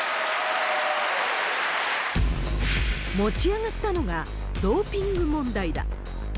持ち上がったのがドーピング問題だ。